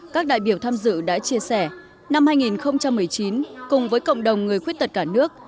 các đại biểu tham dự đã chia sẻ năm hai nghìn một mươi chín cùng với cộng đồng người khuyết tật cả nước